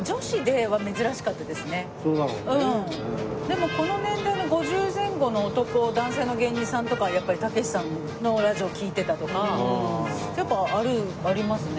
でもこの年代の５０前後の男性の芸人さんとかはたけしさんのラジオを聴いてたとかやっぱあるありますね。